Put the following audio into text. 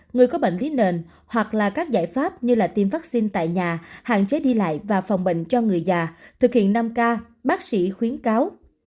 người có bệnh lý nền hoặc là các giải pháp như tiêm vaccine tại nhà hạn chế đi lại và phòng bệnh cho người già thực hiện năm k bác sĩ khuyến cáo